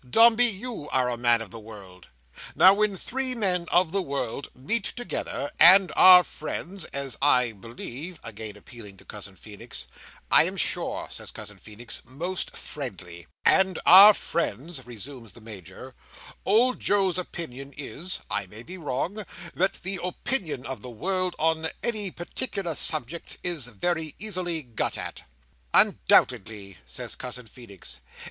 Dombey, you are a man of the world. Now, when three men of the world meet together, and are friends—as I believe—" again appealing to Cousin Feenix. "I am sure," says Cousin Feenix, "most friendly." "—and are friends," resumes the Major, "Old Joe's opinion is (I may be wrong), that the opinion of the world on any particular subject, is very easily got at." "Undoubtedly," says Cousin Feenix.